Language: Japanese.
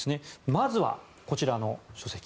まずは、こちらの書籍。